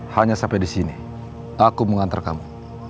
hanya sampai di sini aku mengantar kamu